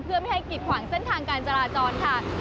เพื่อไม่ให้กิดขวางเส้นทางการจราจรค่ะ